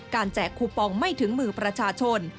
แจกคูปองไม่ถึงมือประชาชน